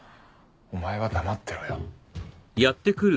お前は黙ってろよ。